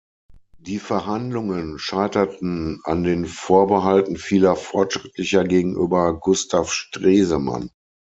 Die Verhandlungen scheiterten an den Vorbehalten vieler Fortschrittlicher gegenüber Gustav Stresemann.